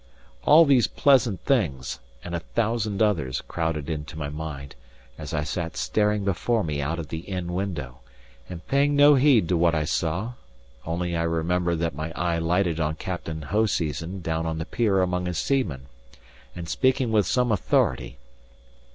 All these pleasant things, and a thousand others, crowded into my mind, as I sat staring before me out of the inn window, and paying no heed to what I saw; only I remember that my eye lighted on Captain Hoseason down on the pier among his seamen, and speaking with some authority.